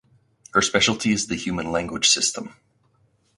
Her specialty is the human language system.